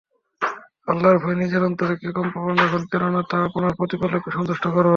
আল্লাহর ভয়ে নিজের অন্তরকে কম্পমান রাখুন, কেননা তা আপনার প্রতিপালককে সন্তুষ্ট করবে।